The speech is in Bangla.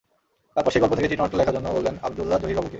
তারপর সেই গল্প থেকে চিত্রনাট্য লেখার জন্য বললেন আবদুল্লাহ জহির বাবুকে।